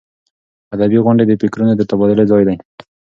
ادبي غونډې د فکرونو د تبادلې ځای دی.